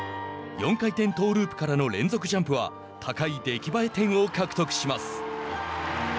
４回転トーループからの連続ジャンプは高い出来栄え点を獲得します。